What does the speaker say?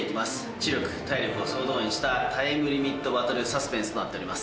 知力、体力を総動員したタイムリミットバトルサスペンスとなっております。